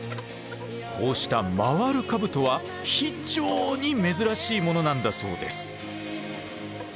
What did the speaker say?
こうした回る兜は非常に珍しいものなんだそうです。